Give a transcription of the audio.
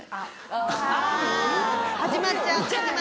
・始まっちゃう